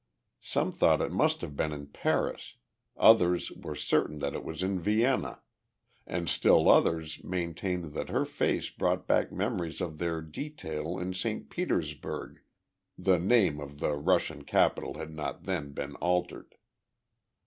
Some thought it must have been in Paris, others were certain that it was in Vienna, and still others maintained that her face brought back memories of their detail in Saint Petersburg (the name of the Russian capital had not then been altered).